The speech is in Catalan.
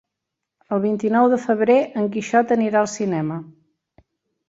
El vint-i-nou de febrer en Quixot anirà al cinema.